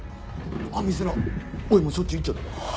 あん店なおいもしょっちゅう行っちょったど。